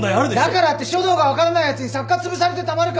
だからって書道が分からないやつに作家つぶされてたまるか。